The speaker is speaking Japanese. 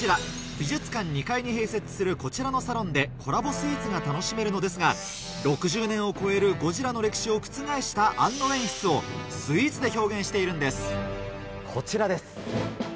美術館２階に併設するこちらのサロンでコラボスイーツが楽しめるのですが６０年を超えるゴジラの歴史を覆した庵野演出をスイーツで表現しているんですこちらです！